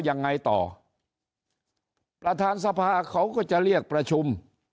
ยังไงต่อประธานสภาเขาก็จะเรียกประชุม